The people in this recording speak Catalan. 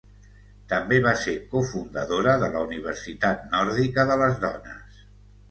També va ser cofundadora de la Universitat Nòrdica de les dones.